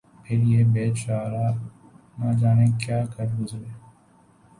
پھر یہ بے چارہ نہ جانے کیا کر گزرے